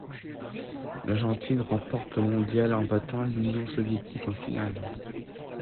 L'Argentine remporte le mondial en battant l'Union soviétique en finale.